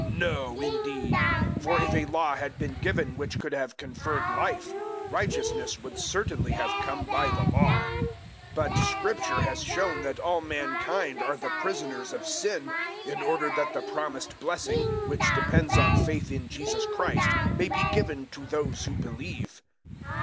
No, indeed; for if a Law had been given which could have conferred Life, righteousness would certainly have come by the Law. 003:022 But Scripture has shown that all mankind are the prisoners of sin, in order that the promised blessing, which depends on faith in Jesus Christ, may be given to those who believe.